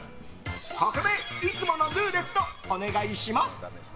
ここで、いつものルーレットお願いします。